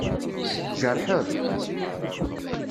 Tjerḥeḍ?